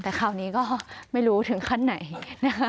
แต่คราวนี้ก็ไม่รู้ถึงขั้นไหนนะคะ